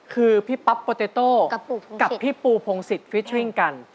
คือพี่ป๊อปโปเตโต้กับพี่ปูพงศิษย์ฟิชริ่งกัน